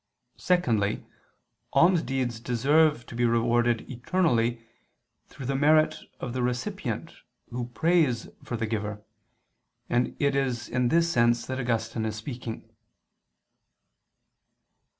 Secondly, almsdeeds deserve to be rewarded eternally, through the merit of the recipient, who prays for the giver, and it is in this sense that Augustine is speaking.